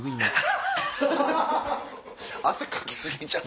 汗かき過ぎちゃう？